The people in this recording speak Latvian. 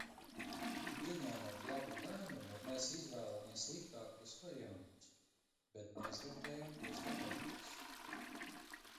Pieņemot labu lēmumu, mēs izvēlamies sliktākos variantus, bet neizvērtējam tos labākos.